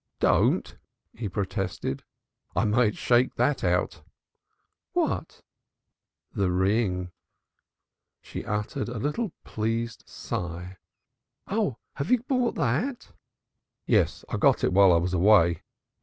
"Don't!" he protested. "I might shake out that." "What?" "The ring." She uttered a little pleased sigh. "Oh, have you brought that?" "Yes, I got it while I was away.